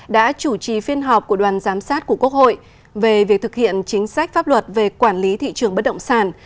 đã chủ trì phiên họp của đoàn giám sát của quốc hội về việc thực hiện chính sách pháp luật về quản lý thị trường bất động sản